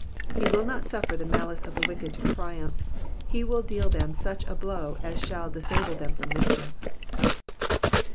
He will not suffer the malice of the wicked to triumph, he will deal them such a blow as shall disable them from mischief.